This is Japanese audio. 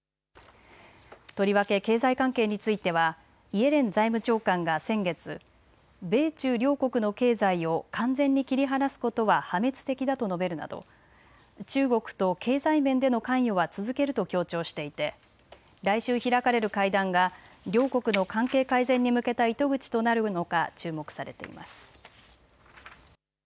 とりわけ経済関係についてはイエレン財務長官が先月、米中両国の経済を完全に切り離すことは破滅的だと述べるなど中国と経済面での関与は続けると強調していて来週開かれる会談が両国の関係改善に向けた糸口となるのか注目されています。